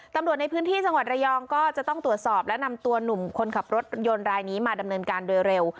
ตำรวจในพื้นที่จังหวัดระยองก็จะต้องตรวจสอบและนำตัวหนุ่มคนขับรถยนต์รายนี้มาดำเนินการโดยเร็ว